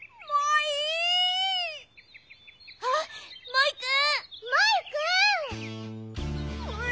モイくん！